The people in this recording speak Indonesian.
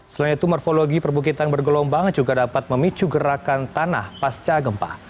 selain itu morfologi perbukitan bergelombang juga dapat memicu gerakan tanah pasca gempa